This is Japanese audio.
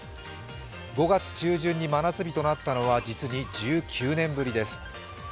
５月中旬に真夏日となったのは実に１９年ぶりです。